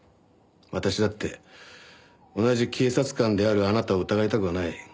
私だって同じ警察官であるあなたを疑いたくはない。